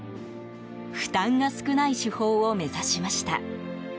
負担が少ない手法を目指しました。